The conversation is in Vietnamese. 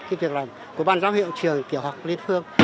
cái việc là của bàn giáo hiệu trường kiểu học lý phương